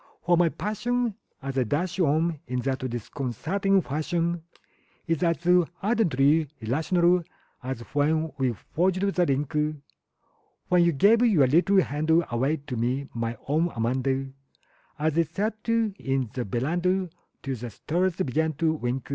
For my passion as I dash on in that disconcerting fashion Is as ardently irrational as when we forged the link When you gave your little hand away to me, my own Amanda An we sat 'n the veranda till the stars began to wink.